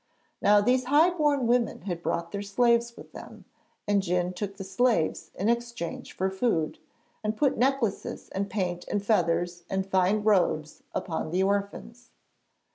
Now these high born women had brought their slaves with them, and Djun took the slaves in exchange for food, and put necklaces and paint and feathers and fine robes upon the orphans.